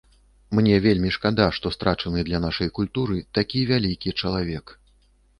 Мне вельмі шкада, што страчаны для нашай культуры такі вялікі чалавек.